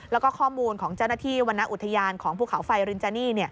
แล้วก็ข้อมูลของเจ้าหน้าที่วรรณอุทยานของภูเขาไฟรินจานี่